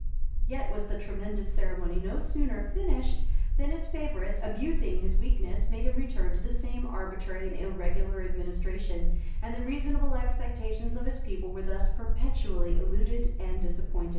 [] Yet was the tremendous ceremony no sooner finished, than his favorites, abusing his weakness, made him return to the same arbitrary and irregular administration; and the reasonable expectations of his people were thus perpetually eluded and disappointed.